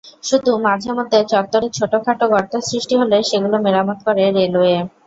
শুধু মাঝেমধ্যে চত্বরে ছোটখাটো গর্ত সৃষ্টি হলে সেগুলো মেরামত করে রেলওয়ে।